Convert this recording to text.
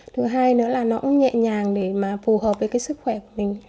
thứ hai nữa là nó cũng nhẹ nhàng để mà phù hợp với cái sức khỏe của mình